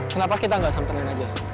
kenapa kita gak samperin aja